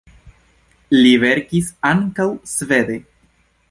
Li verkis ankaŭ svede.